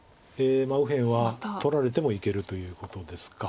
右辺は取られてもいけるということですか。